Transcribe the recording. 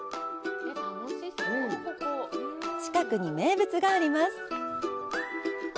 近くに名物があります。